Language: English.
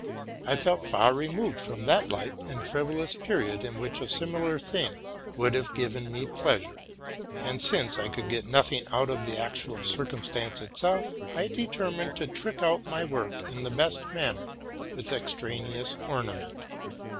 I felt far re moved from that light and frivolous period in which a similai thing would haye given me pleasure ; and, since I could get 250 TRUTH AND FICTION nothing out of the actual circumstance itself, I determined to trick out my work in the best manner with extraneous orna ment.